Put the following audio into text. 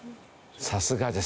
さすがです。